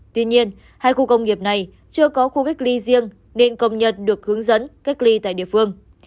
tuy nhiên hai khu công nghiệp này chưa có khu cách ly riêng nên công nhận được hướng dẫn cách ly tại địa phương